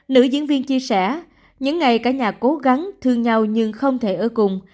nữ diễn viên chia sẻ những ngày cả nhà cố gắng thương nhau nhưng không thể ở cùng